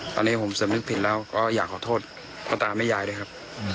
ตอนนี้ผมสำนึกผิดแล้วก็อยากขอโทษพ่อตาแม่ยายด้วยครับ